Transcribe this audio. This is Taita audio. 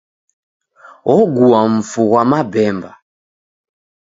Ogua mfu ghwa mabemba.